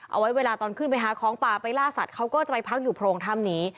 เอาไว้เวลาตอนขึ้นไปหาของป่าไปล่าสัตว์เขาก็จะไปพักอยู่โพรงถ้ำนี้